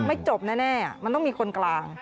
ไม่จบแน่มันต้องมีคนกลาง